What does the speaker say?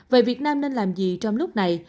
vậy việt nam nên làm gì trong lúc này